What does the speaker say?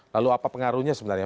lalu apa pengaruhnya sebenarnya